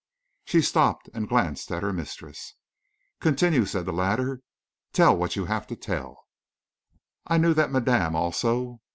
She stopped and glanced at her mistress. "Continue!" said the latter. "Tell what you have to tell." "I knew that madame also...."